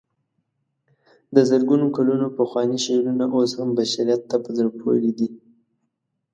د زرګونو کلونو پخواني شعرونه اوس هم بشریت ته په زړه پورې دي.